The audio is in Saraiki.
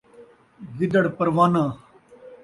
گدڑ پروانہ